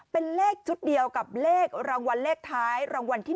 เป็นเลขชุดเดียวกับเลขรางวัลเลขท้ายรางวัลที่๑